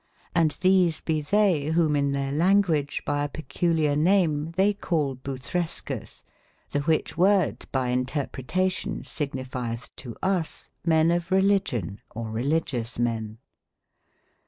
Hnd these be they whom in their language by a peculiar name, tbey calButbrescas, the which woord by inter/ pretationsignifieth to us, men of religion or religious men.